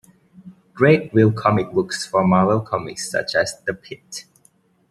Drake drew comic books for Marvel Comics such as "The Pitt".